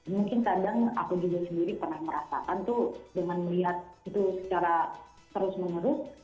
mungkin kadang aku juga sendiri pernah merasakan tuh dengan melihat itu secara terus menerus